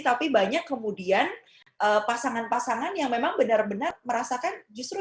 tapi banyak kemudian pasangan pasangan yang memang benar benar merasakan justru